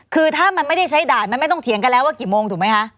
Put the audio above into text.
คือถ้ามันไม่ได้ใช้ด่านมันไม่ต้องเถียงกันแล้วว่ากี่โมงถูกไหมคะ